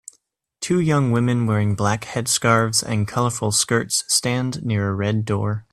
Two young women wearing black headscarves and colorful skirts stand near a red door